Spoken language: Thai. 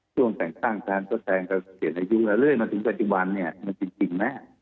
ช่วงแสงสร้างแทนก็แสงก็เปลี่ยนอายุและเรื่อยมาถึงปัจจุบันเนี่ยมันจริงแม่